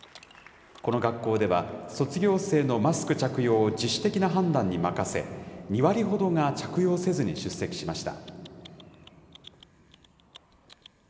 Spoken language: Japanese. この学校では、卒業生のマスク着用を自主的な判断に任せ、２割ほどが着用せずに出席しました。